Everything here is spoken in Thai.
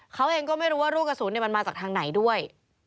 เขาเองก็ไม่รู้ว่าลูกกระสุนมันมาจากทางไหนด้วย